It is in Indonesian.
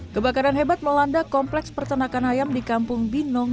kebakaran hebat melanda kompleks pertanakan ayam di kampung binong